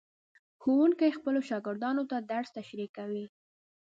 ښوونکي خپلو شاګردانو ته درس تشریح کوي.